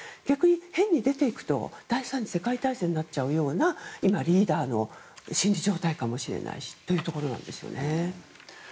逆に変に出ていくと第３次世界大戦になっちゃうようなリーダーの心理状態かもしれないというところですね。